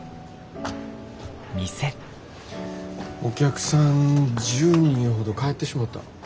お客さん１０人ほど帰ってしもた。